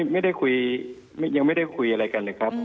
ไม่ได้คุยยังไม่ได้คุยอะไรกันเลยครับ